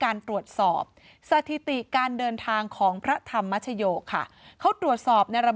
การตรวจสอบสถิติการเดินทางของพระธรรมชโยค่ะเขาตรวจสอบในระบ